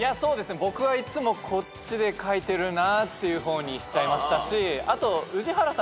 僕はいつもこっちで書いてるなっていう方にしちゃいましたしあと。